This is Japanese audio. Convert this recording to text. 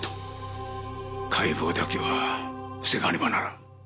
解剖だけは防がねばならん。